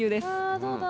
あどうだ？